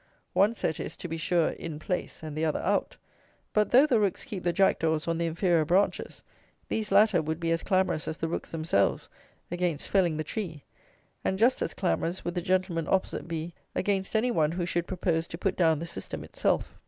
One set is, to be sure, IN place, and the other OUT; but, though the rooks keep the jackdaws on the inferior branches, these latter would be as clamorous as the rooks themselves against felling the tree; and just as clamorous would the "gentlemen opposite" be against any one who should propose to put down the system itself.